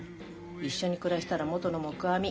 一緒に暮らしたら元の木阿弥。